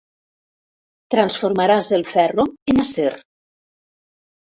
Transformaràs el ferro en acer.